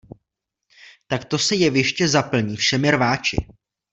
Takto se jeviště zaplní všemi rváči.